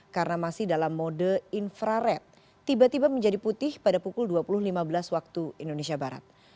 karena masih dalam mode infrared tiba tiba menjadi putih pada pukul dua puluh lima belas waktu indonesia barat